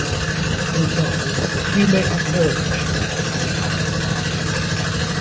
For example, a queue may have lower thresholds for lower priority packet.